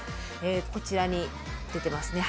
こちらに出てますね。